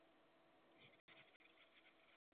Te acostumbrarás a sentirme.